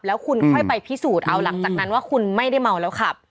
แล้วคุณค่อยไปพิสูจน์เอาหลังจากนั้นว่าคุณไม่ได้เมาแล้วขับ